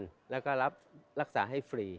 รับทุกวันแล้วก็รับรักษาให้ฟรี